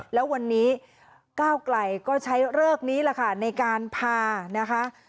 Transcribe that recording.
แล้ววันนี้ก้าวไกลก็ใช้เลิกนี้แหละค่ะในการพานะคะ